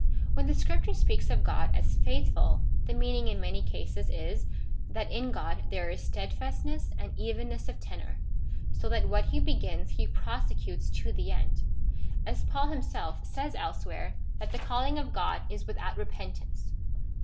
When the Scripture speaks of God as faithful tlie meaning in many cases is, that in God there is steadfastness and evenness of tenor, so that what he begins he prosecutes to the end,^ as Paul himself says elsewhere, that the calling of God is without repentance (Rom.